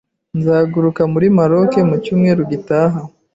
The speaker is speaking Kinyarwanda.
Nzahaguruka muri Maroc mu cyumweru gitaha.